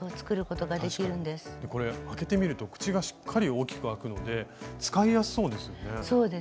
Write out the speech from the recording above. これ開けてみると口がしっかり大きく開くので使いやすそうですよね。